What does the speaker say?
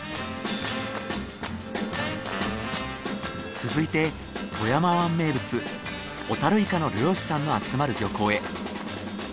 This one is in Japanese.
続いて富山湾名物ホタルイカの漁師さんの集まる漁港へ。